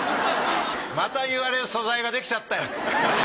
また言われる素材ができちゃったよ。